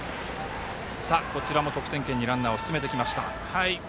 こちらも得点圏にランナーを進めてきました。